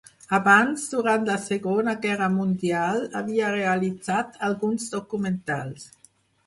Abans, durant la Segona Guerra Mundial, havia realitzat alguns documentals.